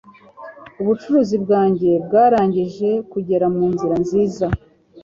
Ubucuruzi bwanjye bwarangije kugera munzira nziza.